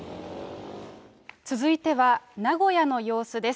続いては名古屋の様子です。